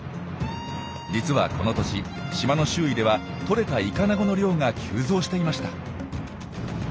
実はこの年島の周囲ではとれたイカナゴの量が急増していました。